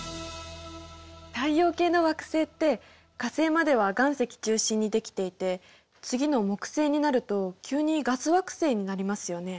太陽系の惑星って火星までは岩石中心にできていて次の木星になると急にガス惑星になりますよね。